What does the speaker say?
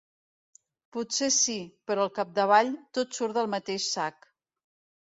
Potser sí, però al capdavall, tot surt del mateix sac.